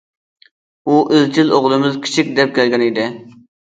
ئۇ ئىزچىل ئوغلىمىز كىچىك، دەپ كەلگەنىدى.